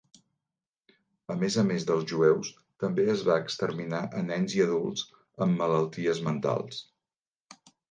A més a més dels jueus, també es va exterminar a nens i adults amb malalties mentals.